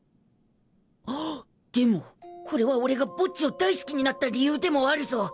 ハッでもこれは俺がボッジを大好きになった理由でもあるぞ